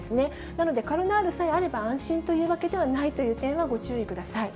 なので、カロナールさえあれば安心というわけではないという点はご注意ください。